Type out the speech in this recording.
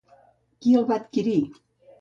Qui el va adquirir?